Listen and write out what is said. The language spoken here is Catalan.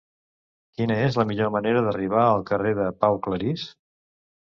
Quina és la millor manera d'arribar al carrer de Pau Claris?